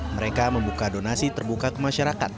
mereka membuka donasi terbuka ke masyarakat